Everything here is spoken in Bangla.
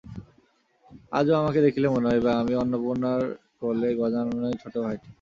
আজও আমাকে দেখিলে মনে হইবে, আমি অন্নপূর্ণার কোলে গজাননের ছোটো ভাইটি।